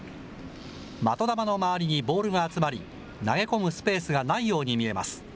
的玉の周りにボールが集まり、投げ込むスペースがないように見えます。